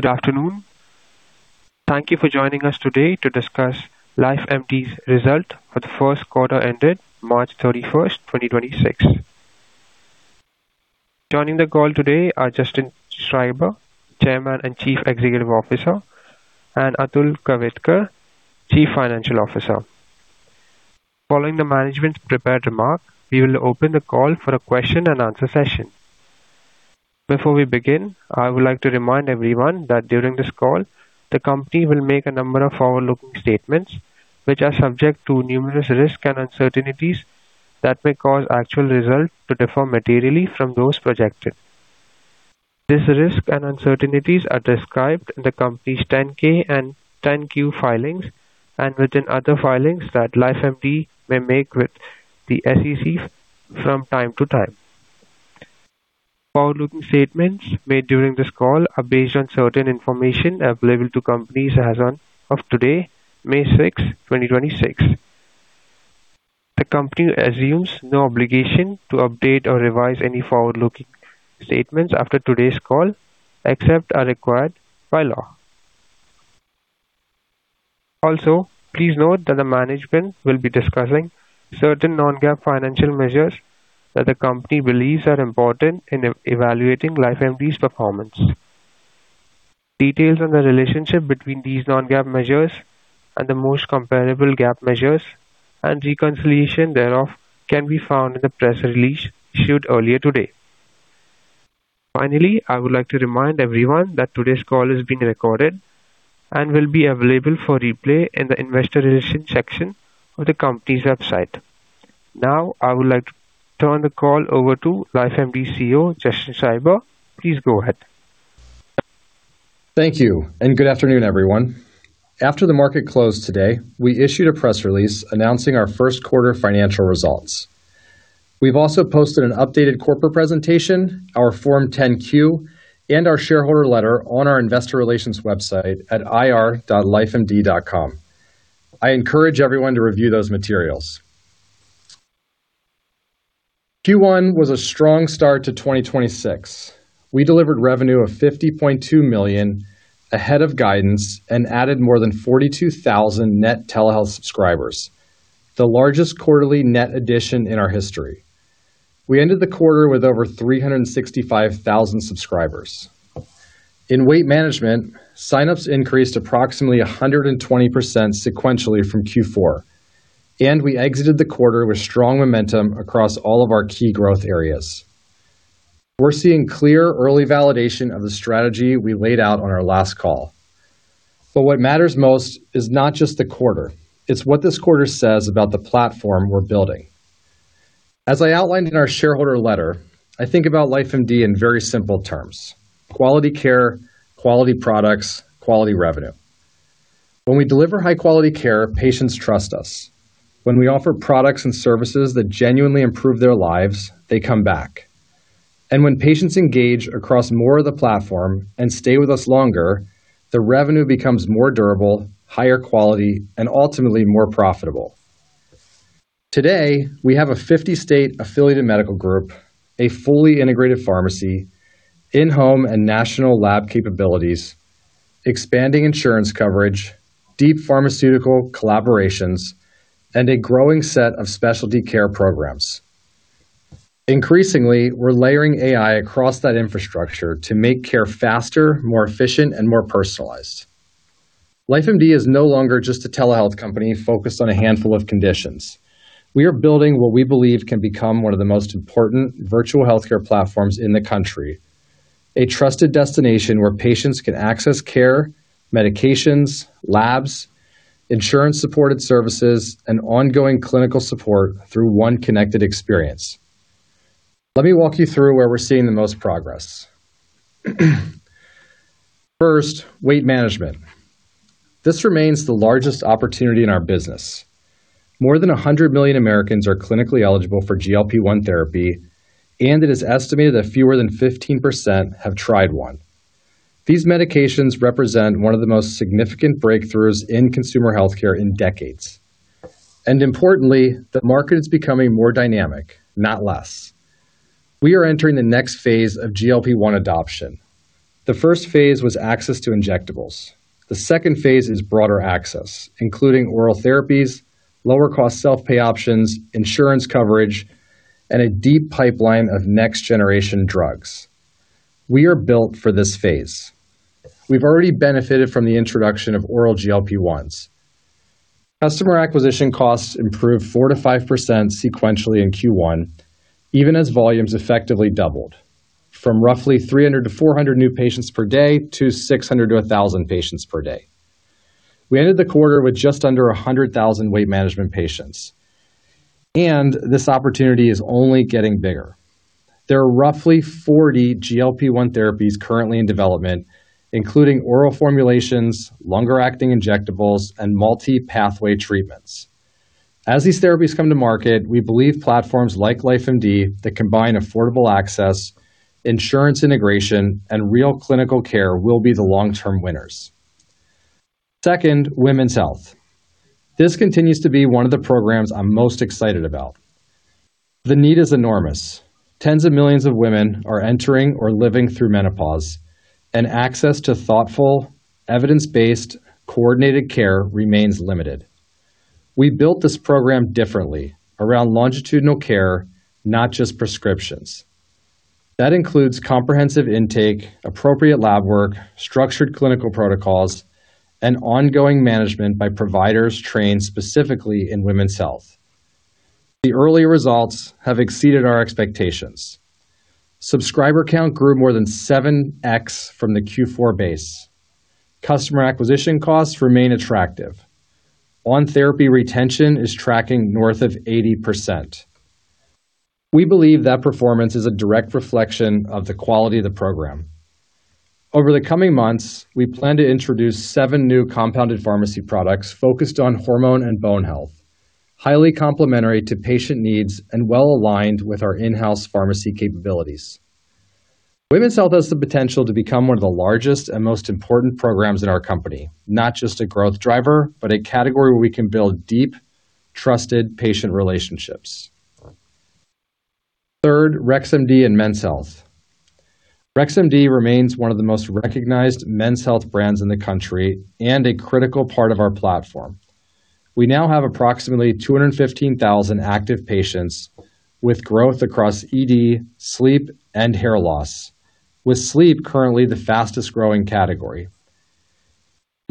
Good afternoon. Thank you for joining us today to discuss LifeMD's result for the first quarter ended March 31st, 2026. Joining the call today are Justin Schreiber, Chairman and Chief Executive Officer, and Atul Kavthekar, Chief Financial Officer. Following the management's prepared remark, we will open the call for a question-and-answer session. Before we begin, I would like to remind everyone that during this call, the company will make a number of forward-looking statements, which are subject to numerous risks and uncertainties that may cause actual results to differ materially from those projected. These risks and uncertainties are described in the company's 10-K and 10-Q filings and within other filings that LifeMD may make with the SEC from time to time. Forward-looking statements made during this call are based on certain information available to the company as of today, May 6th, 2026. The company assumes no obligation to update or revise any forward-looking statements after today's call, except are required by law. Also, please note that the management will be discussing certain non-GAAP financial measures that the company believes are important in evaluating LifeMD's performance. Details on the relationship between these non-GAAP measures and the most comparable GAAP measures and reconciliation thereof can be found in the press release issued earlier today. Finally, I would like to remind everyone that today's call is being recorded and will be available for replay in the investor relations section of the company's website. Now, I would like to turn the call over to LifeMD CEO, Justin Schreiber. Please go ahead. Thank you and good afternoon, everyone. After the market closed today, we issued a press release announcing our first quarter financial results. We've also posted an updated corporate presentation, our Form 10-Q, and our shareholder letter on our investor relations website at ir.lifemd.com. I encourage everyone to review those materials. Q1 was a strong start to 2026. We delivered revenue of $50.2 million ahead of guidance and added more than 42,000 net telehealth subscribers, the largest quarterly net addition in our history. We ended the quarter with over 365,000 subscribers. In weight management, sign-ups increased approximately 120% sequentially from Q4. And we exited the quarter with strong momentum across all of our key growth areas. We're seeing clear early validation of the strategy we laid out on our last call. But what matters most is not just the quarter, it's what this quarter says about the platform we're building. As I outlined in our shareholder letter, I think about LifeMD in very simple terms: quality care, quality products, quality revenue. When we deliver high quality care, patients trust us. When we offer products and services that genuinely improve their lives, they come back. When patients engage across more of the platform and stay with us longer, the revenue becomes more durable, higher quality, and ultimately more profitable. Today, we have a 50-state affiliated medical group, a fully integrated pharmacy, in-home and national lab capabilities, expanding insurance coverage, deep pharmaceutical collaborations, and a growing set of specialty care programs. Increasingly, we're layering AI across that infrastructure to make care faster, more efficient, and more personalized. LifeMD is no longer just a telehealth company focused on a handful of conditions. We are building what we believe can become one of the most important virtual healthcare platforms in the country, a trusted destination where patients can access care, medications, labs, insurance supported services, and ongoing clinical support through one connected experience. Let me walk you through where we're seeing the most progress. First, weight management. This remains the largest opportunity in our business. More than 100 million Americans are clinically eligible for GLP-1 therapy, and it is estimated that fewer than 15% have tried one. These medications represent one of the most significant breakthroughs in consumer healthcare in decades, and importantly, the market is becoming more dynamic, not less. We are entering the next phase of GLP-1 adoption. The first phase was access to injectables. The second phase is broader access, including oral therapies, lower cost self-pay options, insurance coverage, and a deep pipeline of next generation drugs. We are built for this phase. We've already benefited from the introduction of oral GLP-1s. Customer acquisition costs improved 4%-5% sequentially in Q1, even as volumes effectively doubled from roughly 300-400 new patients per day to 600-1,000 patients per day. We ended the quarter with just under 100,000 weight management patients, and this opportunity is only getting bigger. There are roughly 40 GLP-1 therapies currently in development, including oral formulations, longer-acting injectables, and multi-pathway treatments. As these therapies come to market, we believe platforms like LifeMD that combine affordable access, insurance integration, and real clinical care will be the long-term winners. Second, women's health. This continues to be one of the programs I'm most excited about. The need is enormous. Tens of millions of women are entering or living through menopause, and access to thoughtful, evidence-based, coordinated care remains limited. We built this program differently around longitudinal care, not just prescriptions. That includes comprehensive intake, appropriate lab work, structured clinical protocols, and ongoing management by providers trained specifically in women's health. The early results have exceeded our expectations. Subscriber count grew more than 7x from the Q4 base. Customer acquisition costs remain attractive. On-therapy retention is tracking north of 80%. We believe that performance is a direct reflection of the quality of the program. Over the coming months, we plan to introduce seven new compounded pharmacy products focused on hormone and bone health, highly complementary to patient needs and well-aligned with our in-house pharmacy capabilities. Women's health has the potential to become one of the largest and most important programs in our company, not just a growth driver, but a category where we can build deep, trusted patient relationships. Third, Rex MD and men's health. Rex MD remains one of the most recognized men's health brands in the country and a critical part of our platform. We now have approximately 215,000 active patients with growth across ED, sleep, and hair loss, with sleep currently the fastest growing category.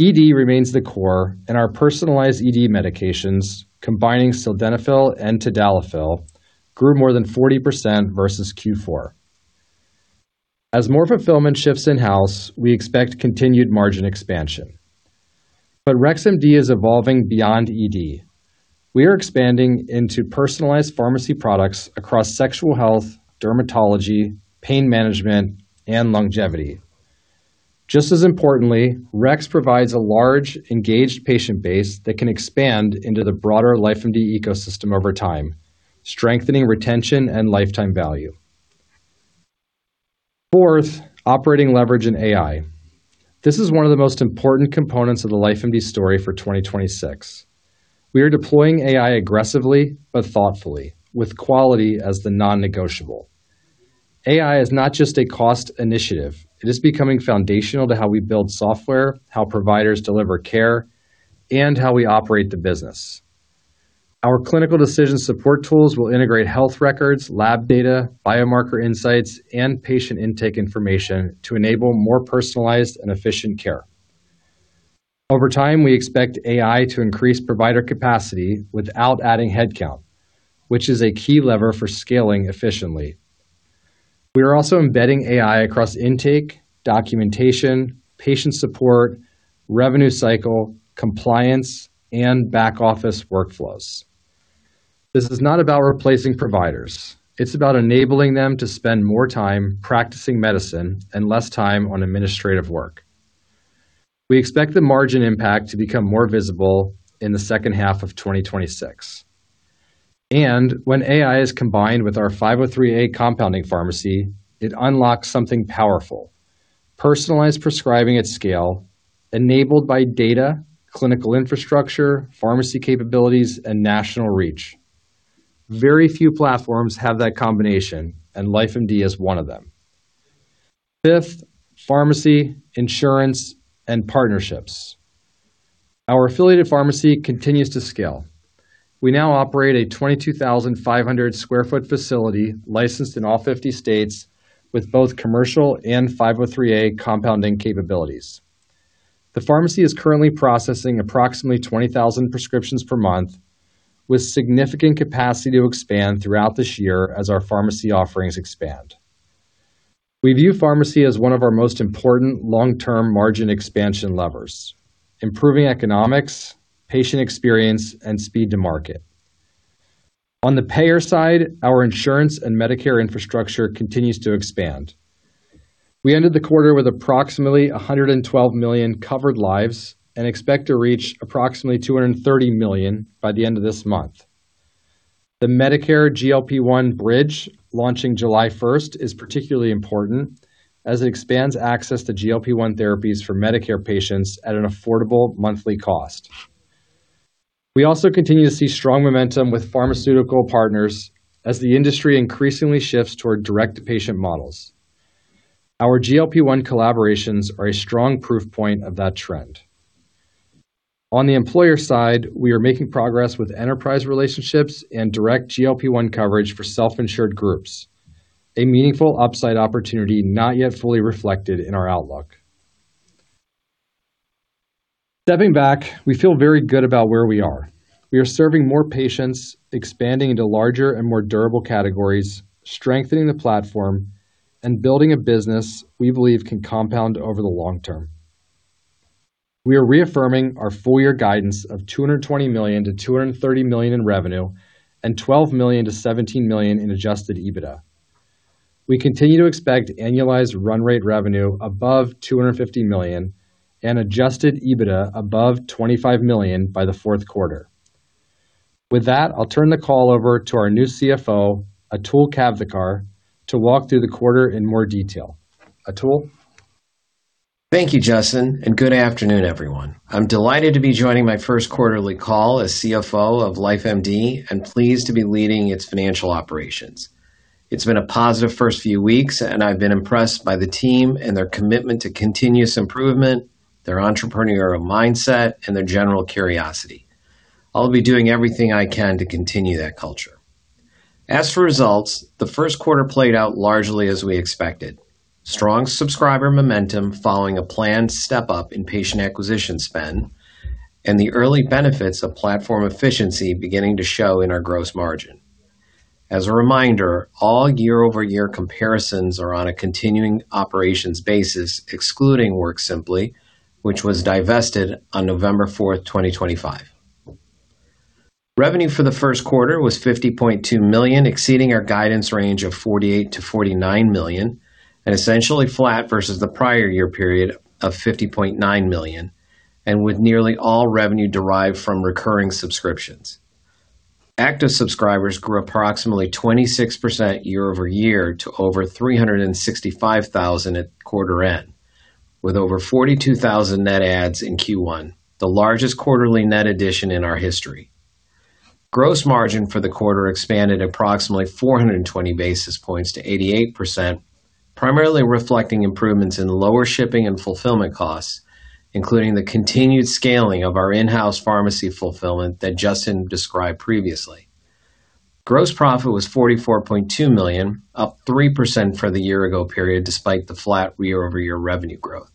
ED remains the core, and our personalized ED medications, combining sildenafil and tadalafil, grew more than 40% versus Q4. As more fulfillment shifts in-house, we expect continued margin expansion. But Rex MD is evolving beyond ED. We are expanding into personalized pharmacy products across sexual health, dermatology, pain management, and longevity. Just as importantly, Rex provides a large, engaged patient base that can expand into the broader LifeMD ecosystem over time, strengthening retention and lifetime value. Fourth, operating leverage in AI. This is one of the most important components of the LifeMD story for 2026. We are deploying AI aggressively but thoughtfully, with quality as the non-negotiable. AI is not just a cost initiative. It is becoming foundational to how we build software, how providers deliver care, and how we operate the business. Our clinical decision support tools will integrate health records, lab data, biomarker insights, and patient intake information to enable more personalized and efficient care. Over time, we expect AI to increase provider capacity without adding headcount, which is a key lever for scaling efficiently. We are also embedding AI across intake, documentation, patient support, revenue cycle, compliance, and back-office workflows. This is not about replacing providers. It's about enabling them to spend more time practicing medicine and less time on administrative work. We expect the margin impact to become more visible in the second half of 2026. And when AI is combined with our 503A compounding pharmacy, it unlocks something powerful, personalized prescribing at scale enabled by data, clinical infrastructure, pharmacy capabilities, and national reach. Very few platforms have that combination, and LifeMD is one of them. Fifth, pharmacy, insurance, and partnerships. Our affiliated pharmacy continues to scale. We now operate a 22,500 sq ft facility licensed in all 50 states with both commercial and 503A compounding capabilities. The pharmacy is currently processing approximately 20,000 prescriptions per month, with significant capacity to expand throughout this year as our pharmacy offerings expand. We view pharmacy as one of our most important long-term margin expansion levers, improving economics, patient experience, and speed to market. On the payer side, our insurance and Medicare infrastructure continues to expand. We ended the quarter with approximately 112 million covered lives and expect to reach approximately 230 million by the end of this month. The Medicare GLP-1 Bridge launching July 1 is particularly important as it expands access to GLP-1 therapies for Medicare patients at an affordable monthly cost. We also continue to see strong momentum with pharmaceutical partners as the industry increasingly shifts toward direct patient models. Our GLP-1 collaborations are a strong proof point of that trend. On the employer side, we are making progress with enterprise relationships and direct GLP-1 coverage for self-insured groups, a meaningful upside opportunity not yet fully reflected in our outlook. Stepping back, we feel very good about where we are. We are serving more patients, expanding into larger and more durable categories, strengthening the platform, and building a business we believe can compound over the long term. We are reaffirming our full year guidance of $220 million-$230 million in revenue and $12 million-$17 million in adjusted EBITDA. We continue to expect annualized run rate revenue above $250 million and adjusted EBITDA above $25 million by the fourth quarter. With that, I'll turn the call over to our new CFO, Atul Kavthekar, to walk through the quarter in more detail. Atul? Thank you, Justin and good afternoon, everyone. I'm delighted to be joining my first quarterly call as CFO of LifeMD and pleased to be leading its financial operations. It's been a positive first few weeks, and I've been impressed by the team and their commitment to continuous improvement, their entrepreneurial mindset, and their general curiosity. I'll be doing everything I can to continue that culture. As for results, the first quarter played out largely as we expected. Strong subscriber momentum following a planned step-up in patient acquisition spend, and the early benefits of platform efficiency beginning to show in our gross margin. As a reminder, all year-over-year comparisons are on a continuing operations basis, excluding WorkSimpli, which was divested on November 4, 2025. Revenue for the first quarter was $50.2 million, exceeding our guidance range of $48 million-$49 million, and essentially flat versus the prior year period of $50.9 million, and with nearly all revenue derived from recurring subscriptions. Active subscribers grew approximately 26% year-over-year to over 365,000 at quarter end, with over 42,000 net adds in Q1, the largest quarterly net addition in our history. Gross margin for the quarter expanded approximately 420 basis points to 88%, primarily reflecting improvements in lower shipping and fulfillment costs, including the continued scaling of our in-house pharmacy fulfillment that Justin described previously. Gross profit was $44.2 million, up 3% for the year ago period, despite the flat year-over-year revenue growth.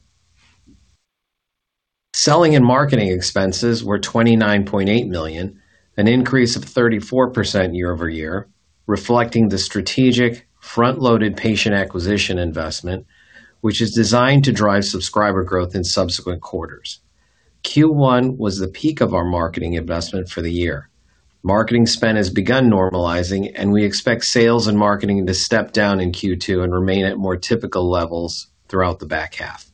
Selling and marketing expenses were $29.8 million, an increase of 34% year-over-year, reflecting the strategic front-loaded patient acquisition investment, which is designed to drive subscriber growth in subsequent quarters. Q1 was the peak of our marketing investment for the year. Marketing spend has begun normalizing, and we expect sales and marketing to step down in Q2 and remain at more typical levels throughout the back half.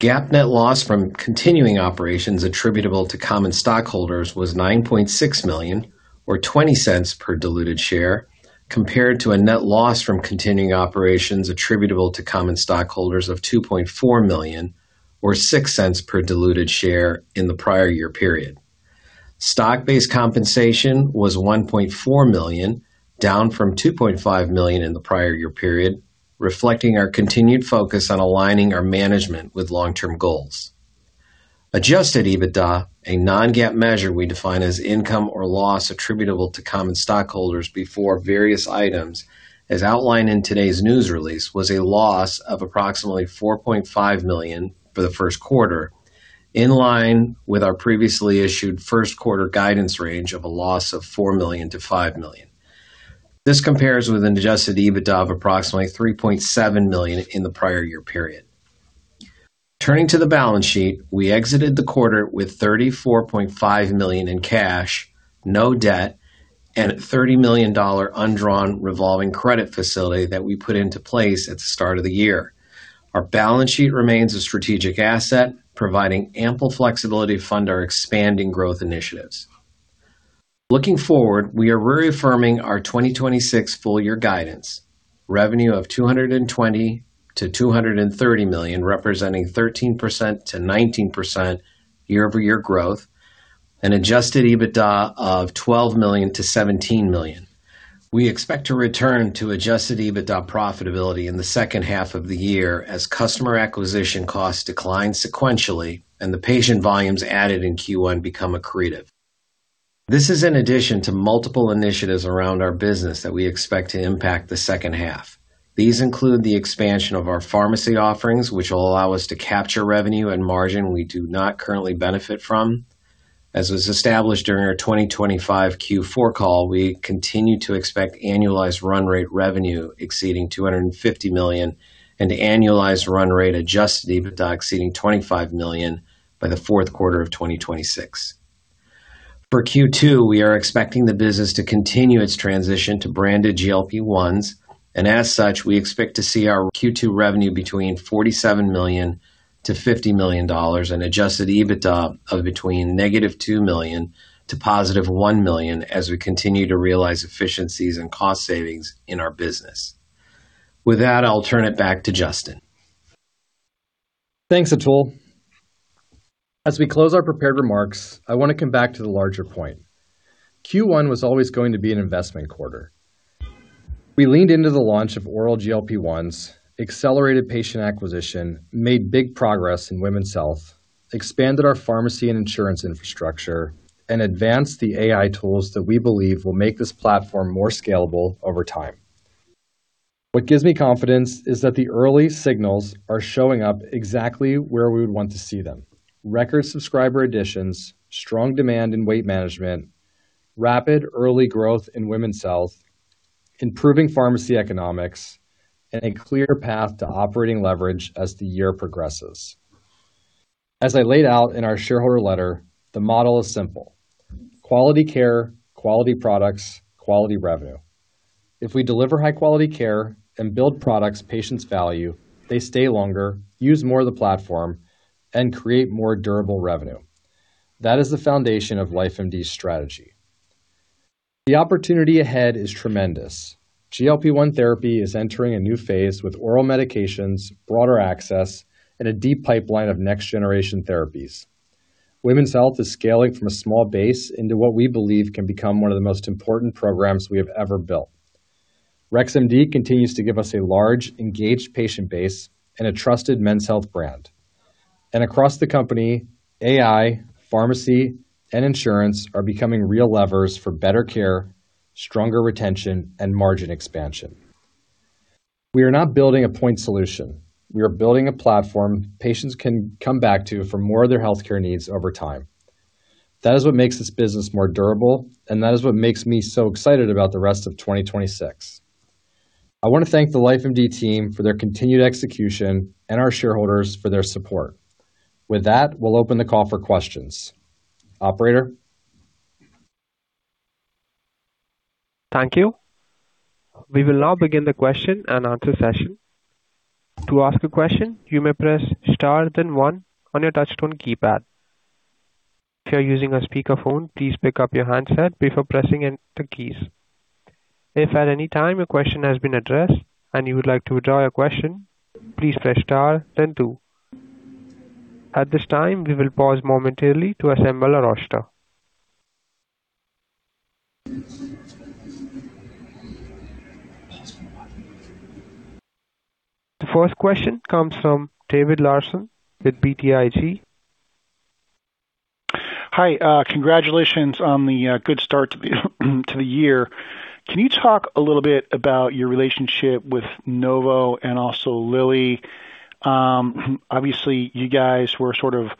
GAAP net loss from continuing operations attributable to common stockholders was $9.6 million or $0.20 per diluted share, compared to a net loss from continuing operations attributable to common stockholders of $2.4 million, or $0.06 per diluted share in the prior year period. Stock-based compensation was $1.4 million, down from $2.5 million in the prior year period, reflecting our continued focus on aligning our management with long-term goals. Adjusted EBITDA, a non-GAAP measure we define as income or loss attributable to common stockholders before various items, as outlined in today's news release, was a loss of approximately $4.5 million for the first quarter, in line with our previously issued first quarter guidance range of a loss of $4 million-$5 million. This compares with an adjusted EBITDA of approximately $3.7 million in the prior year period. Turning to the balance sheet, we exited the quarter with $34.5 million in cash, no debt, and a $30 million undrawn revolving credit facility that we put into place at the start of the year. Our balance sheet remains a strategic asset, providing ample flexibility to fund our expanding growth initiatives. Looking forward, we are reaffirming our 2026 full year guidance, revenue of $220 million-$230 million, representing 13%-19% year-over-year growth, and adjusted EBITDA of $12 million-$17 million. We expect to return to adjusted EBITDA profitability in the second half of the year as customer acquisition costs decline sequentially and the patient volumes added in Q1 become accretive. This is in addition to multiple initiatives around our business that we expect to impact the second half. These include the expansion of our pharmacy offerings, which will allow us to capture revenue and margin we do not currently benefit from. As was established during our 2025 Q4 call, we continue to expect annualized run rate revenue exceeding $250 million and annualized run rate adjusted EBITDA exceeding $25 million by the fourth quarter of 2026. For Q2, we are expecting the business to continue its transition to branded GLP-1s, and as such, we expect to see our Q2 revenue between $47 million-$50 million and adjusted EBITDA of between -$2 million to +$1 million as we continue to realize efficiencies and cost savings in our business. With that, I'll turn it back to Justin. Thanks, Atul. As we close our prepared remarks, I want to come back to the larger point. Q1 was always going to be an investment quarter. We leaned into the launch of oral GLP-1s, accelerated patient acquisition, made big progress in women's health, expanded our pharmacy and insurance infrastructure, and advanced the AI tools that we believe will make this platform more scalable over time. What gives me confidence is that the early signals are showing up exactly where we would want to see them. Record subscriber additions, strong demand in weight management, rapid early growth in women's health, improving pharmacy economics, and a clear path to operating leverage as the year progresses. As I laid out in our shareholder letter, the model is simple: quality care, quality products, quality revenue. If we deliver high quality care and build products patients value, they stay longer, use more of the platform, and create more durable revenue. That is the foundation of LifeMD's strategy. The opportunity ahead is tremendous. GLP-1 therapy is entering a new phase with oral medications, broader access, and a deep pipeline of next generation therapies. Women's health is scaling from a small base into what we believe can become one of the most important programs we have ever built. Rex MD continues to give us a large, engaged patient base and a trusted men's health brand. Across the company, AI, pharmacy, and insurance are becoming real levers for better care, stronger retention, and margin expansion. We are not building a point solution. We are building a platform patients can come back to for more of their healthcare needs over time. That is what makes this business more durable, and that is what makes me so excited about the rest of 2026. I want to thank the LifeMD team for their continued execution and our shareholders for their support. With that, we'll open the call for questions. Operator? Thank you. We will now begin the question-and-answer session. To ask a question, you may press star then one on your touchtone keypad. If you're using a speakerphone, please pick up your handset before pressing any of the keys. If at any time your question has been addressed and you would like to withdraw your question, please press star then two. At this time, we will pause momentarily to assemble our roster. The first question comes from David Larsen with BTIG. Hi. Congratulations on the good start to the year. Can you talk a little bit about your relationship with Novo and also Lilly? Obviously, you guys were sort of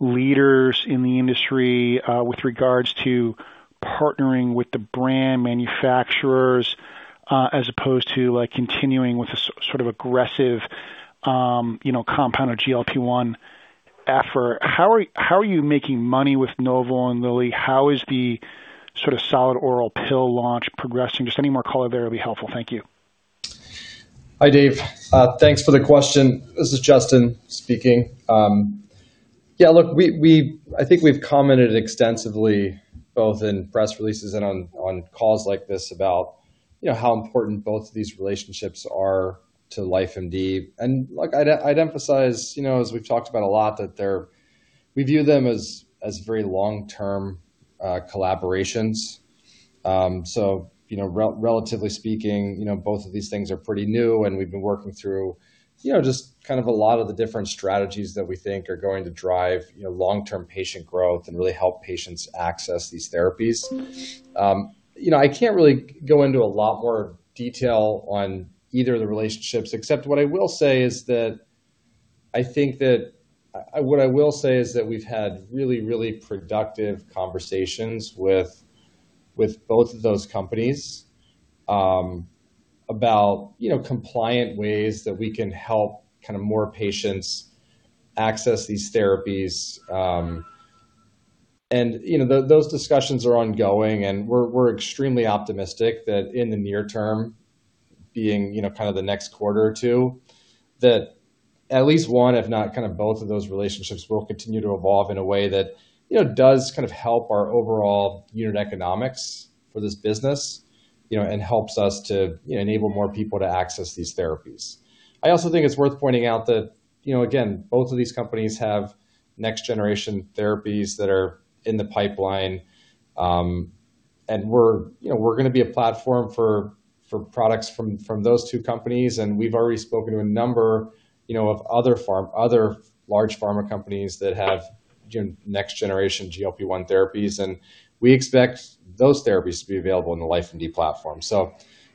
leaders in the industry, with regards to partnering with the brand manufacturers, as opposed to, like, continuing with a sort of aggressive, you know, compound or GLP-1 effort. How are you making money with Novo and Lilly? How is the sort of solid oral pill launch progressing? Just any more color there will be helpful. Thank you. Hi, Dave. Thanks for the question. This is Justin speaking. Yeah, look, we, I think we've commented extensively both in press releases and on calls like this about, you know, how important both of these relationships are to LifeMD. Look, I'd emphasize, you know, as we've talked about a lot, that they're, we view them as very long-term collaborations. You know, relatively speaking, you know, both of these things are pretty new, and we've been working through, you know, just kind of a lot of the different strategies that we think are going to drive, you know, long-term patient growth and really help patients access these therapies. You know, I can't really go into a lot more detail on either of the relationships, except what I will say is that, I think that, what I will say is that we've had really, really productive conversations with both of those companies, about, you know, compliant ways that we can help kinda more patients access these therapies. And, you know, those discussions are ongoing, and we're extremely optimistic that in the near term, being, you know, kind of the next quarter or two, that at least one, if not kind of both of those relationships will continue to evolve in a way that, you know, does kind of help our overall unit economics for this business, you know, and helps us to, you know, enable more people to access these therapies. I also think it's worth pointing out that, you know, again, both of these companies have next generation therapies that are in the pipeline. And we're, you know, we're gonna be a platform for products from those two companies, and we've already spoken to a number, you know, of other large pharma companies that have next generation GLP-1 therapies, and we expect those therapies to be available in the LifeMD platform. So,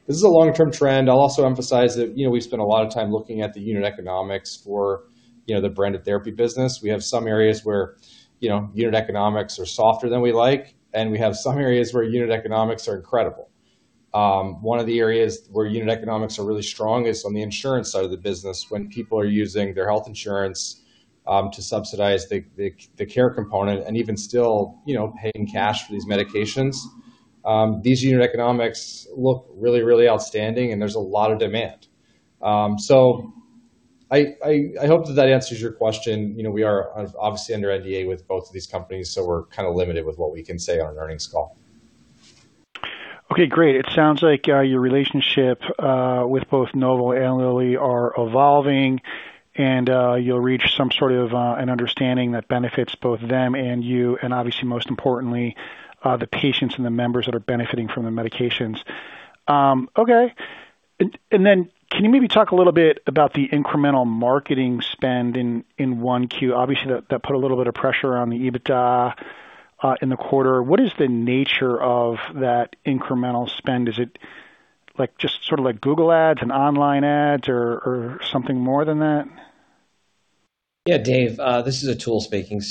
this is a long-term trend. I'll also emphasize that, you know, we spend a lot of time looking at the unit economics for, you know, the branded therapy business. We have some areas where, you know, unit economics are softer than we like, and we have some areas where unit economics are incredible. One of the areas where unit economics are really strong is on the insurance side of the business when people are using their health insurance to subsidize the care component and even still, you know, paying cash for these medications. These unit economics look really, really outstanding, and there's a lot of demand. I hope that answers your question. You know, we are obviously under NDA with both of these companies, so, we're kinda limited with what we can say on an earnings call. Okay, great. It sounds like your relationship with both Novo and Lilly are evolving and you'll reach some sort of an understanding that benefits both them and you, and obviously most importantly, the patients and the members that are benefiting from the medications. Okay. Then can you maybe talk a little bit about the incremental marketing spend in 1Q? Obviously, that put a little bit of pressure on the EBITDA in the quarter. What is the nature of that incremental spend? Is it, like, just sort of like Google Ads and online ads or something more than that? Yeah, Dave, this is Atul speaking.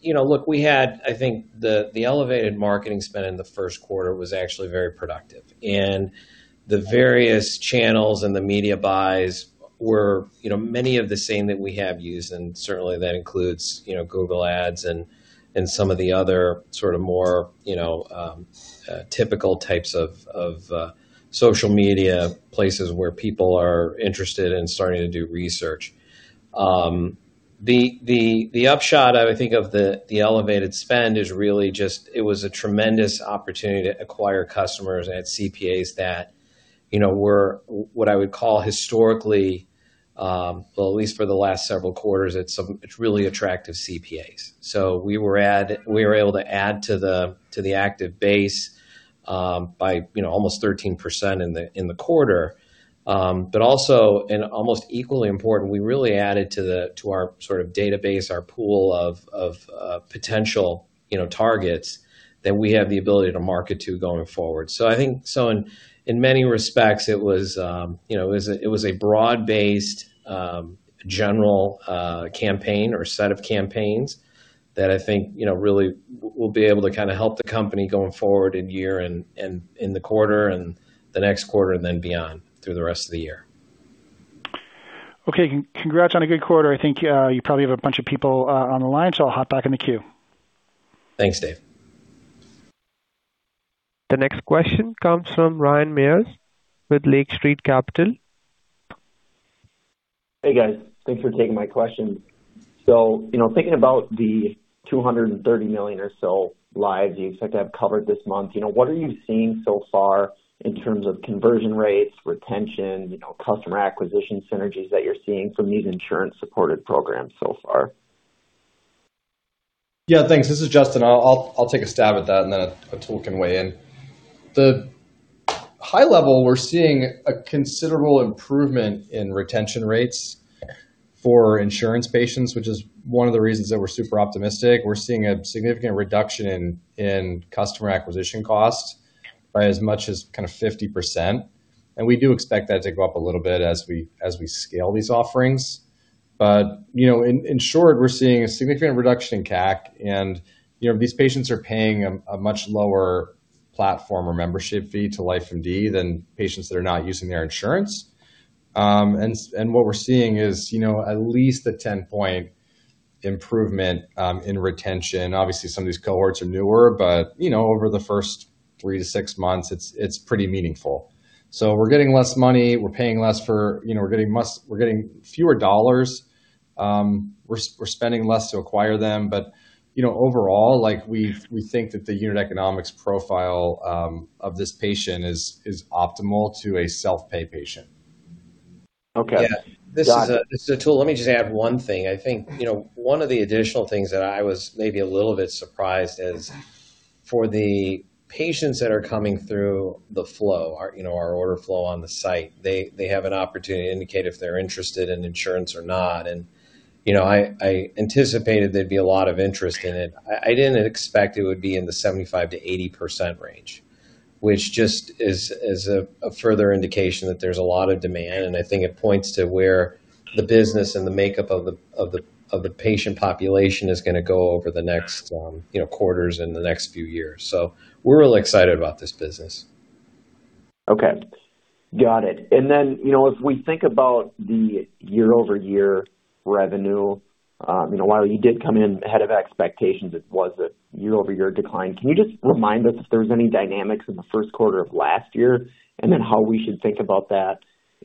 You know, look, we had, I think the elevated marketing spend in the first quarter was actually very productive. The various channels and the media buys were, you know, many of the same that we have used, and certainly that includes, you know, Google Ads and some of the other sort of more, you know, typical types of social media places where people are interested in starting to do research. The upshot I would think of the elevated spend is really just it was a tremendous opportunity to acquire customers at CPAs that, you know, were what I would call historically, well, at least for the last several quarters, it's really attractive CPAs. So, we were able to add to the active base, by, you know, almost 13% in the quarter. Almost equally important, we really added to our sort of database, our pool of potential, you know, targets that we have the ability to market to going forward. So, I think, so in many respects it was, you know, a broad-based, general campaign or set of campaigns that I think, you know, really will be able to kind of help the company going forward in year and in the quarter and the next quarter and then beyond through the rest of the year. Okay. Congrats on a good quarter. I think you probably have a bunch of people on the line, so I'll hop back in the queue. Thanks, Dave. The next question comes from Ryan Meyers with Lake Street Capital. Hey, guys. Thanks for taking my question. You know, thinking about the 230 million or so lives you expect to have covered this month, you know, what are you seeing so far in terms of conversion rates, retention, you know, customer acquisition synergies that you're seeing from these insurance-supported programs so far? Yeah, thanks. This is Justin. I'll take a stab at that and then Atul can weigh in. High level, we're seeing a considerable improvement in retention rates for insurance patients, which is one of the reasons that we're super optimistic. We're seeing a significant reduction in customer acquisition costs by as much as kind of 50%, and we do expect that to go up a little bit as we scale these offerings. You know, in short, we're seeing a significant reduction in CAC and, you know, these patients are paying a much lower platform or membership fee to LifeMD than patients that are not using their insurance. What we're seeing is, you know, at least a 10-point improvement in retention. Obviously, some of these cohorts are newer but, you know, over the first three to six months, it's pretty meaningful. We're getting less money. We're getting fewer dollars. We're spending less to acquire them. But overall, you know, like we think that the unit economics profile of this patient is optimal to a self-pay patient. Okay. Got it. Yeah. This is Atul. Let me just add one thing. I think, you know, one of the additional things that I was maybe a little bit surprised is for the patients that are coming through the flow, our, you know, our order flow on the site, they have an opportunity to indicate if they're interested in insurance or not. You know, I anticipated there'd be a lot of interest in it. I didn't expect it would be in the 75%-80% range, which just is a further indication that there's a lot of demand, and I think it points to where the business and the makeup of the patient population is gonna go over the next, you know, quarters and the next few years. So, we're really excited about this business. Okay. Got it. You know, as we think about the year-over-year revenue, you know, while you did come in ahead of expectations, it was a year-over-year decline. Can you just remind us if there was any dynamics in the first quarter of last year, and then how we should think about that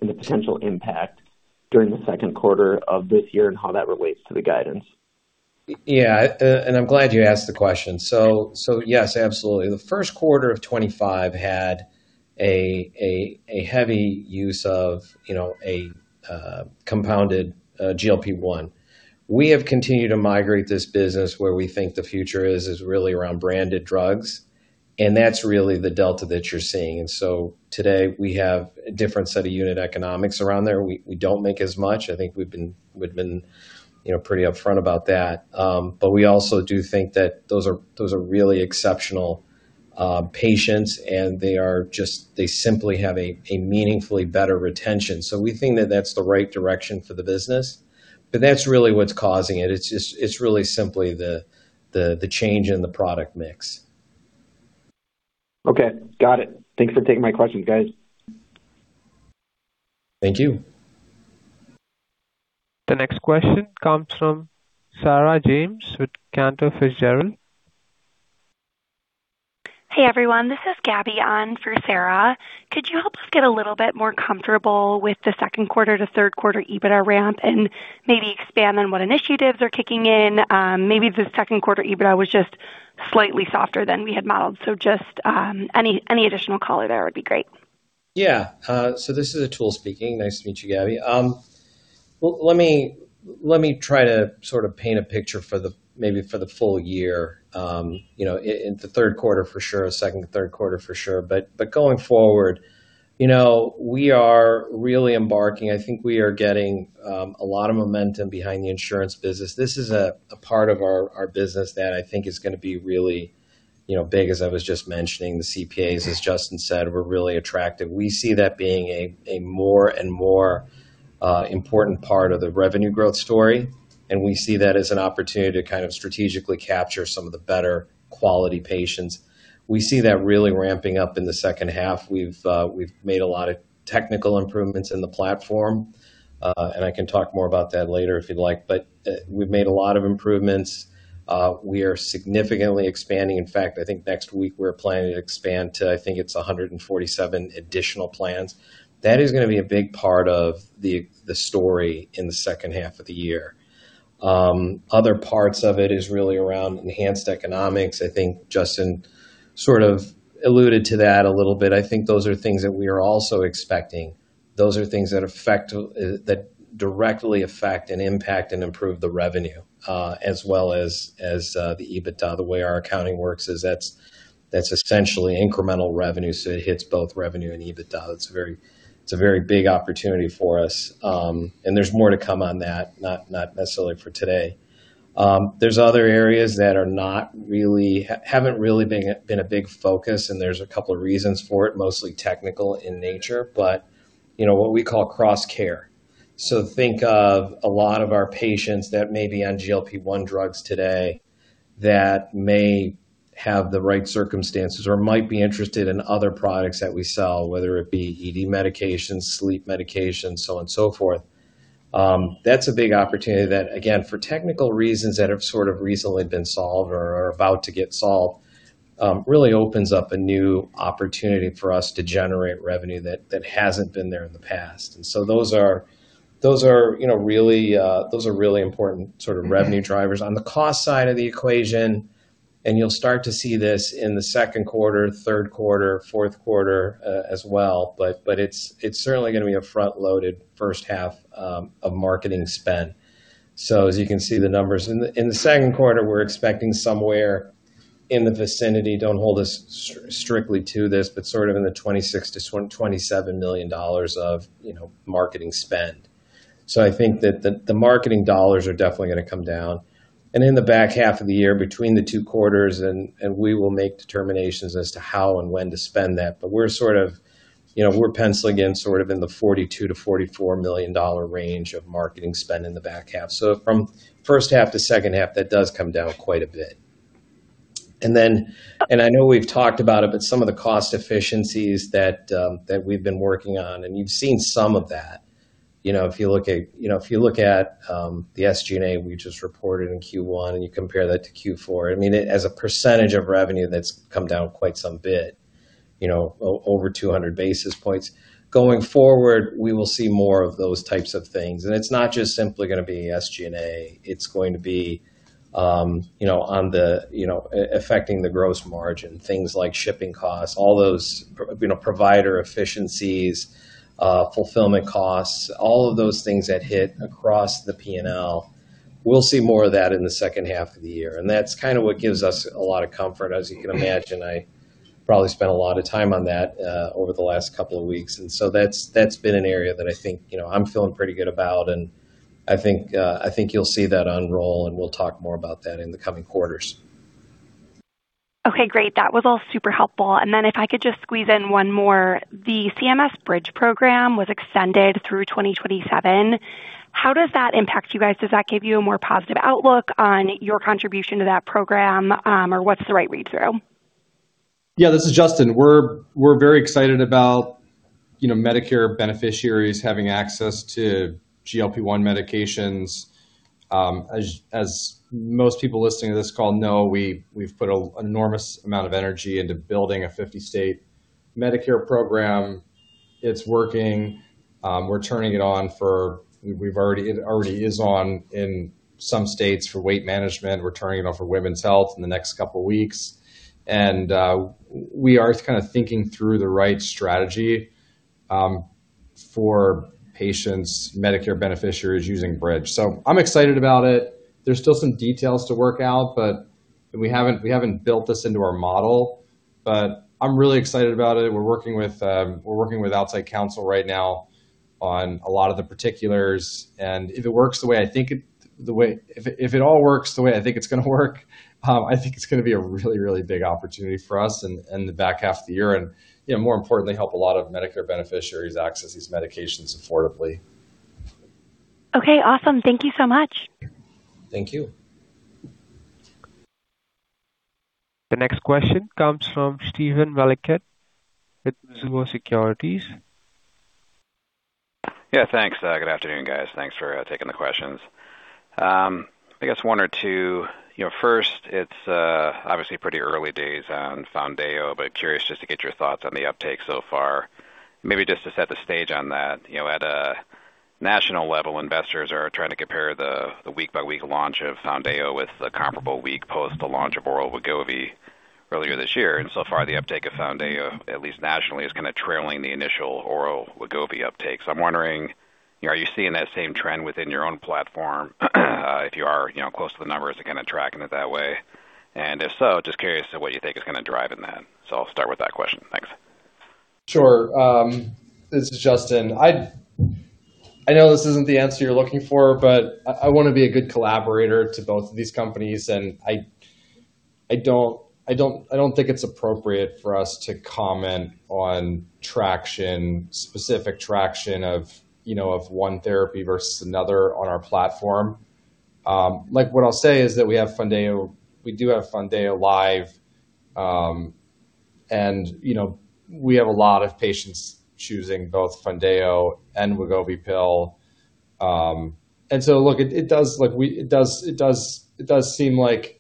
and the potential impact during the second quarter of this year and how that relates to the guidance? Yeah. I'm glad you asked the question. So, yes, absolutely. The first quarter of 2025 had a heavy use of, you know, a compounded GLP-1. We have continued to migrate this business where we think the future is really around branded drugs, and that's really the delta that you're seeing. Today, we have a different set of unit economics around there. We don't make as much. I think we've been, you know, pretty upfront about that. But we also do think that those are really exceptional patients, and they simply have a meaningfully better retention. We think that that's the right direction for the business. That's really what's causing it. It's just, it's really simply the change in the product mix. Okay. Got it. Thanks for taking my questions, guys. Thank you. The next question comes from Sarah James with Cantor Fitzgerald. Hey, everyone. This is Gabie on for Sarah. Could you help us get a little bit more comfortable with the second quarter to third quarter EBITDA ramp and maybe expand on what initiatives are kicking in? Maybe the second quarter EBITDA was just slightly softer than we had modeled. Just any additional color there would be great. Yeah. So, this is Atul speaking. Nice to meet you, Gabie. Well, let me try to sort of paint a picture for the, maybe for the full year. You know, in the third quarter for sure, second to third quarter for sure. But going forward, you know, we are really embarking, I think we are getting a lot of momentum behind the insurance business. This is a part of our business that I think is going to be really big. You know, as I was just mentioning, the CPAs, as Justin said, were really attractive. We see that being a more and more important part of the revenue growth story, and we see that as an opportunity to kind of strategically capture some of the better-quality patients. We see that really ramping up in the second half. We've made a lot of technical improvements in the platform. I can talk more about that later if you'd like, but we've made a lot of improvements. We are significantly expanding. In fact, I think next week we're planning to expand to, I think it's 147 additional plans. That is gonna be a big part of the story in the second half of the year. Other parts of it is really around enhanced economics. I think Justin sort of alluded to that a little bit. I think those are things that we are also expecting. Those are things that affect, that directly affect and impact and improve the revenue as well as the EBITDA. The way our accounting works is that's essentially incremental revenue, so it hits both revenue and EBITDA. It's a very big opportunity for us. There's more to come on that, not necessarily for today. There's other areas that have not really, haven't really been a big focus, and there's a couple reasons for it, mostly technical in nature. But you know, what we call cross-care. Think of a lot of our patients that may be on GLP-1 drugs today that may have the right circumstances or might be interested in other products that we sell, whether it be ED medications, sleep medications, so on and so forth. That's a big opportunity that, again, for technical reasons that have sort of recently been solved or are about to get solved, really opens up a new opportunity for us to generate revenue that hasn't been there in the past. Those are, you know, really important sort of revenue drivers. On the cost side of the equation, you'll start to see this in the second quarter, third quarter, fourth quarter as well, but it's certainly gonna be a front-loaded first half of marketing spend. As you can see the numbers, in the second quarter, we're expecting somewhere in the vicinity, don't hold us strictly to this, but sort of in the $26 million-$27 million of, you know, marketing spend. I think that the marketing dollars are definitely gonna come down. And in the back half of the year between the two quarters, and we will make determinations as to how and when to spend that, but we're sort of, you know, we're penciling in sort of in the $42 million-$44 million range of marketing spend in the back half. So, from first half to second half, that does come down quite a bit. Then, I know we've talked about it, but some of the cost efficiencies that we've been working on, and you've seen some of that. You know, if you look at the SG&A we just reported in Q1 and you compare that to Q4, I mean, as a percentage of revenue, that's come down quite some bit. You know, over 200 basis points. Going forward, we will see more of those types of things. It's not just simply gonna be SG&A, it's going to be, you know, on the, you know, affecting the gross margin, things like shipping costs, all those, you know, provider efficiencies, fulfillment costs, all of those things that hit across the P&L. We'll see more of that in the second half of the year, and that's kind of what gives us a lot of comfort. As you can imagine, I probably spent a lot of time on that over the last couple of weeks. That's, that's been an area that I think, you know, I'm feeling pretty good about, and I think, I think you'll see that unroll, and we'll talk more about that in the coming quarters. Okay, great. That was all super helpful. Then if I could just squeeze in one more. The CMS Bridge program was extended through 2027. How does that impact you guys? Does that give you a more positive outlook on your contribution to that program? What's the right read-through? Yeah. This is Justin. We're very excited about, you know, Medicare beneficiaries having access to GLP-1 medications. As most people listening to this call know, we've put an enormous amount of energy into building a 50-state Medicare program. It's working. We're turning it on for, it already is on in some states for weight management. We're turning it on for women's health in the next couple weeks. And we are kind of thinking through the right strategy for patients, Medicare beneficiaries using Bridge. I'm excited about it. There's still some details to work out, we haven't built this into our model, but I'm really excited about it. We're working with outside counsel right now on a lot of the particulars. If it all works the way I think it's gonna work, I think it's gonna be a really, really big opportunity for us in the back half of the year and, you know, more importantly, help a lot of Medicare beneficiaries access these medications affordably. Okay, awesome. Thank you so much. Thank you. The next question comes from Steven Valiquette with Mizuho Securities. Yeah, thanks. Good afternoon, guys. Thanks for taking the questions. I guess one or two. You know, first, it's obviously pretty early days on Foundayo, but curious just to get your thoughts on the uptake so far. Maybe just to set the stage on that, you know, at a national level, investors are trying to compare the week-by-week launch of Foundayo with the comparable week post the launch of oral Wegovy earlier this year. So far, the uptake of Foundayo, at least nationally, is kinda trailing the initial oral Wegovy uptake. I'm wondering, you know, are you seeing that same trend within your own platform? If you are, you know, close to the numbers, are you kinda tracking it that way? If so, just curious to what you think is gonna drive in that. I'll start with that question. Thanks. Sure. This is Justin. I know this isn't the answer you're looking for, but I wanna be a good collaborator to both of these companies, and I don't think it's appropriate for us to comment on traction, specific traction of, you know, of one therapy versus another on our platform. Like, what I'll say is that we do have Foundayo live. You know, we have a lot of patients choosing both Foundayo and Wegovy pill. Look, it does seem like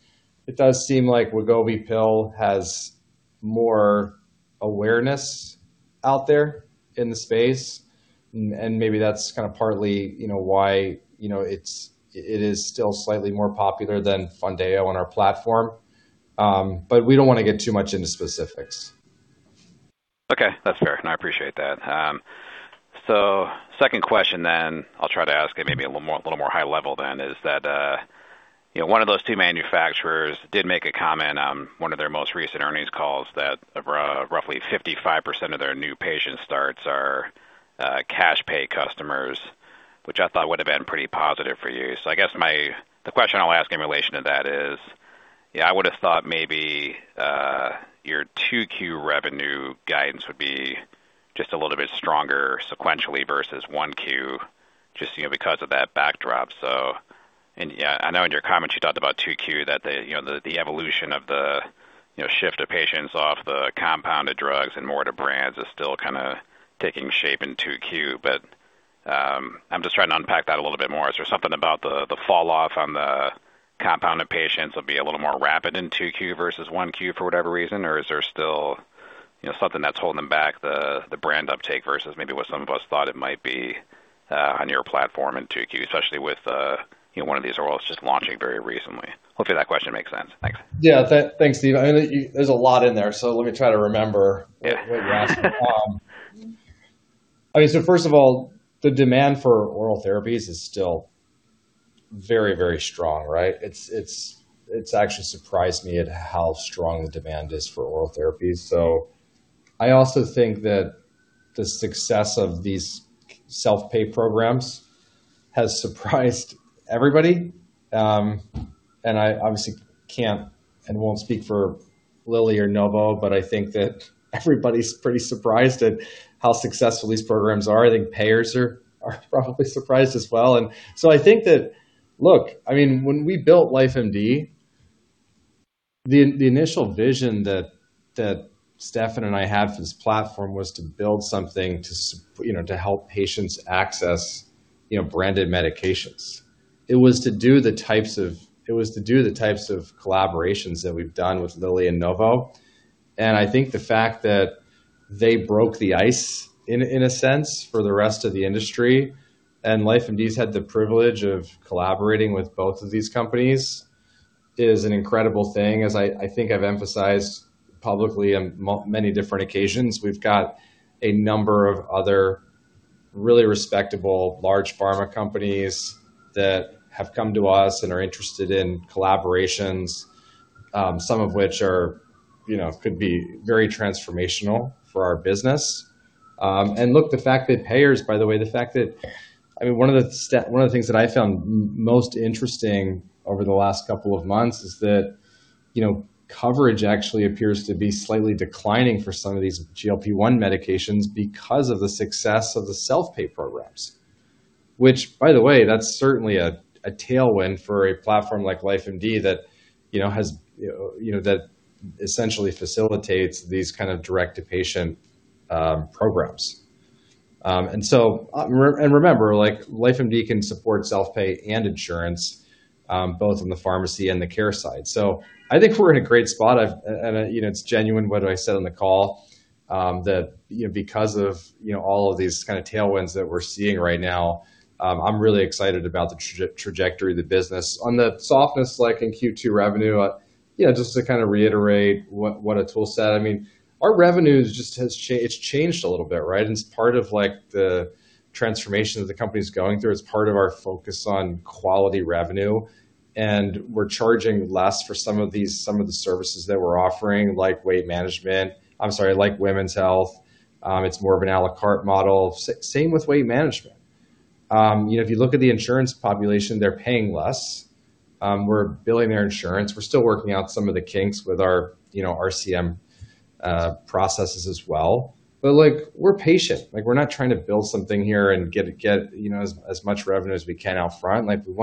Wegovy pill has more awareness out there in the space and maybe that's kind of partly, you know, why, you know, it's, it is still slightly more popular than Foundayo on our platform. But we don't wanna get too much into specifics. Okay. That's fair, and I appreciate that. Second question then, I'll try to ask it maybe a little more, little more high level then, is that, you know, one of those two manufacturers did make a comment on one of their most recent earnings calls that roughly 55% of their new patient starts are cash pay customers, which I thought would have been pretty positive for you. I guess my, the question I'll ask in relation to that is, yeah, I would have thought maybe your 2Q revenue guidance would be just a little bit stronger sequentially versus 1Q just, you know, because of that backdrop. So, yeah, I know in your comments you talked about 2Q that the, you know, the evolution of the, you know, shift of patients off the compounded drugs and more to brands is still kinda taking shape in 2Q. But I'm just trying to unpack that a little bit more. Is there something about the fall off on the compounded patients will be a little more rapid in 2Q versus 1Q for whatever reason? Or is there still, you know, something that's holding back the brand uptake versus maybe what some of us thought it might be, on your platform in 2Q, especially with, you know, one of these orals just launching very recently? Hopefully that question makes sense. Thanks. Yeah. Thanks, Steven. I mean, there's a lot in there, so let me try to remember. Yeah. I mean, first of all, the demand for oral therapies is still very, very strong, right? It's actually surprised me at how strong the demand is for oral therapies. I also think that the success of these self-pay programs has surprised everybody. I obviously can't and won't speak for Lilly or Novo, but I think that everybody's pretty surprised at how successful these programs are. I think payers are probably surprised as well. I think that, look, I mean, when we built LifeMD, the initial vision that Stefan and I had for this platform was to build something to, you know, to help patients access, you know, branded medications. It was to do the types of collaborations that we've done with Lilly and Novo, and I think the fact that they broke the ice, in a sense, for the rest of the industry, and LifeMD's had the privilege of collaborating with both of these companies, is an incredible thing. As, I think, I've emphasized publicly on many different occasions, we've got a number of other really respectable large pharma companies that have come to us and are interested in collaborations, some of which are, you know, could be very transformational for our business. Look, the fact that payers, by the way, the fact that I mean, one of the things that I found most interesting over the last couple of months is that, you know, coverage actually appears to be slightly declining for some of these GLP-1 medications because of the success of the self-pay programs, which, by the way, that's certainly a tailwind for a platform like LifeMD that, you know, has, you know, that essentially facilitates these kind of direct-to-patient programs. So, and remember, like LifeMD can support self-pay and insurance, both on the pharmacy and the care side. So, I think we're in a great spot. I've, and I, you know, it's genuine what I said on the call, that, you know, because of, you know, all of these kind of tailwinds that we're seeing right now, I'm really excited about the trajectory of the business. On the softness, like in Q2 revenue, you know, just to kind of reiterate what Atul said, I mean, our revenues just has, it's changed a little bit, right? It's part of like the transformation that the company's going through. It's part of our focus on quality revenue, and we're charging less for some of the services that we're offering, like weight management. I'm sorry, like women's health. It's more of an à la carte model. Same with weight management. If you look at the insurance population, they're paying less. We're billing their insurance. We're still working out some of the kinks with our, you know, RCM processes as well. Like, we're patient. Like, we're not trying to build something here and get, you know, as much revenue as we can upfront. Like, we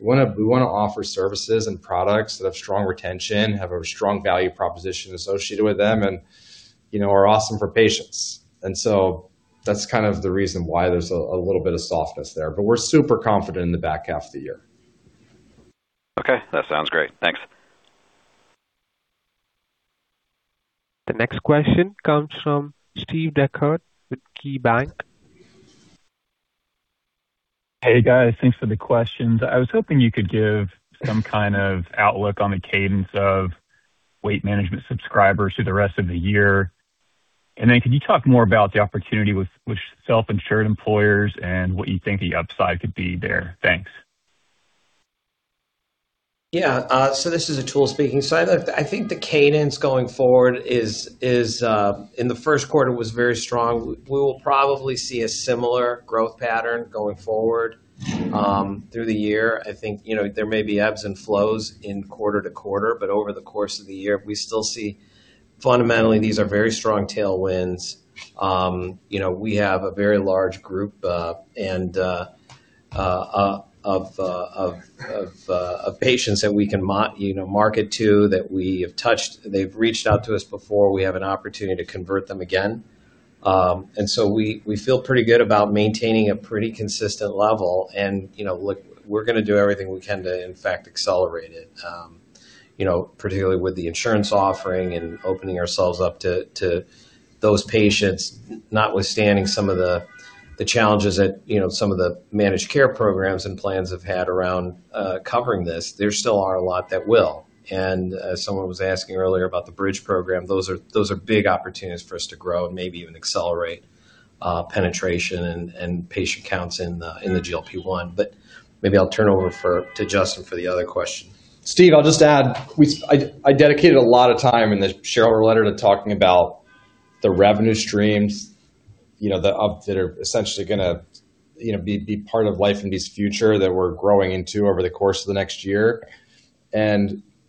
wanna offer services and products that have strong retention, have a strong value proposition associated with them, and, you know, are awesome for patients. That's kind of the reason why there's a little bit of softness there. But we're super confident in the back half of the year. Okay. That sounds great. Thanks. The next question comes from Steve Dechert with KeyBanc. Hey, guys. Thanks for the questions. I was hoping you could give some kind of outlook on the cadence of weight management subscribers through the rest of the year. Then could you talk more about the opportunity with self-insured employers and what you think the upside could be there? Thanks. Yeah. This is Atul speaking. I think the cadence going forward in the first quarter was very strong. We will probably see a similar growth pattern going forward through the year. I think, you know, there may be ebbs and flows in quarter to quarter, but over the course of the year, we still see fundamentally these are very strong tailwinds. You know, we have a very large group of patients that we can, you know, market to that we have touched. They've reached out to us before. We have an opportunity to convert them again. We, we feel pretty good about maintaining a pretty consistent level and, you know, look, we're gonna do everything we can to in fact accelerate it, you know, particularly with the insurance offering and opening ourselves up to those patients, notwithstanding some of the challenges that, you know, some of the managed care programs and plans have had around covering this. There still are a lot that will. As someone was asking earlier about the Bridge program, those are big opportunities for us to grow and maybe even accelerate penetration, and patient counts in the GLP-1. But maybe, I'll turn it over to Justin for the other question. Steve, I'll just add. I dedicated a lot of time in the shareholder letter to talking about the revenue streams, you know, that are essentially going to, you know, be part of LifeMD's future that we're growing into over the course of the next year.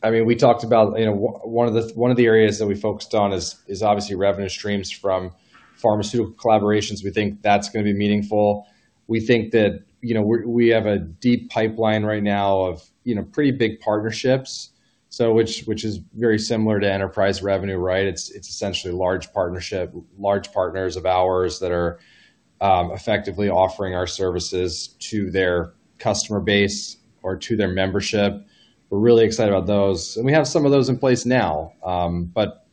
I mean, we talked about, you know, one of the areas that we focused on is obviously revenue streams from pharmaceutical collaborations. We think that's going to be meaningful. We think that, you know, we have a deep pipeline right now of, you know, pretty big partnerships. Which is very similar to enterprise revenue, right? It's essentially large partners of ours that are effectively offering our services to their customer base or to their membership. We're really excited about those. We have some of those in place now. But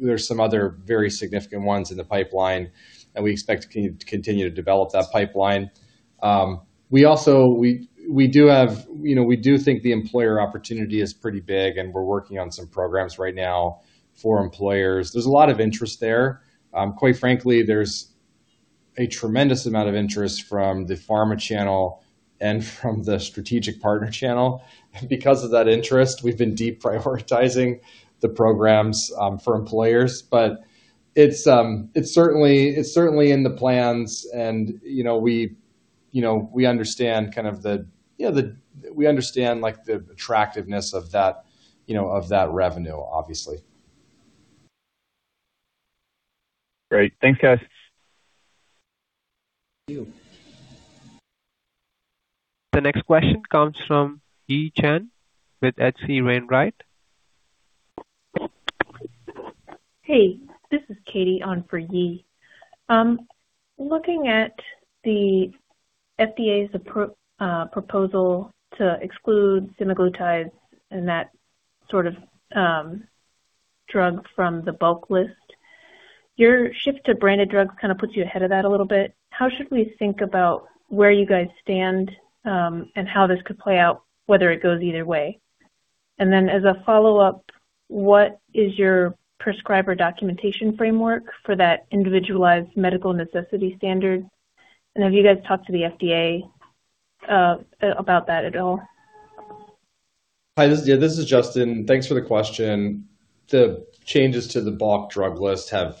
there's some other very significant ones in the pipeline, and we expect to continue to develop that pipeline. We also have, you know, we do think the employer opportunity is pretty big, and we're working on some programs right now for employers. There's a lot of interest there. Quite frankly, there's a tremendous amount of interest from the pharma channel and from the strategic partner channel. Because of that interest, we've been deprioritizing the programs for employers. But it's certainly, it's certainly in the plans and, you know, we understand like the attractiveness of that, you know, of that revenue, obviously. Great. Thanks, guys. Thank you. The next question comes from Yi Chen with H.C. Wainwright. Hey, this is [Katie] on for Yi. Looking at the FDA's proposal to exclude semaglutide and that sort of drug from the bulk list, your shift to branded drugs kind of puts you ahead of that a little bit. How should we think about where you guys stand and how this could play out, whether it goes either way? And as a follow-up, what is your prescriber documentation framework for that individualized medical necessity standard? Have you guys talked to the FDA about that at all? Hi, this is Justin. Thanks for the question. The changes to the bulk drug list have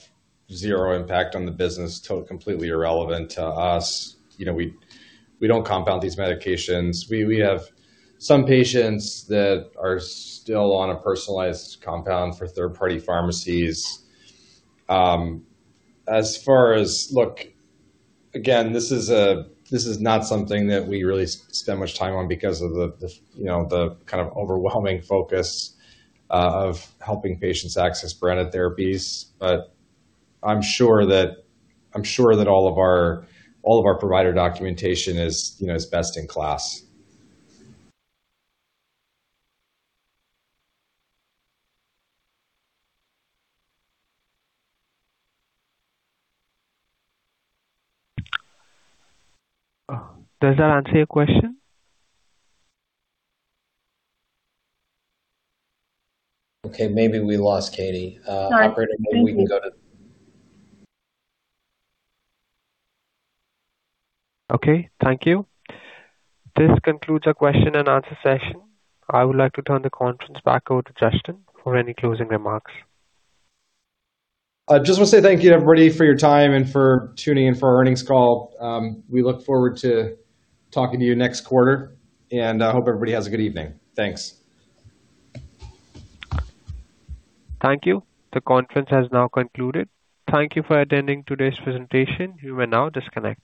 zero impact on the business, completely irrelevant to us. You know, we don't compound these medications. We have some patients that are still on a personalized compound for third-party pharmacies. As far as, look, again, this is not something that we really spend much time on because of the, you know, the kind of overwhelming focus of helping patients access branded therapies. But I'm sure that all of our provider documentation is, you know, is best in class. Does that answer your question? Okay, maybe we lost Katie. Sorry. Operator, maybe we can go to. Okay. Thank you. This concludes our question-and-answer session. I would like to turn the conference back over to Justin for any closing remarks. I just wanna say thank you, everybody, for your time and for tuning in for our earnings call. We look forward to talking to you next quarter, and I hope everybody has a good evening. Thanks. Thank you. The conference has now concluded. Thank you for attending today's presentation. You may now disconnect.